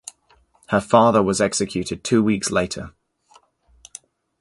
Her father was executed two weeks later.